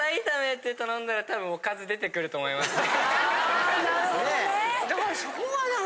あなるほどね！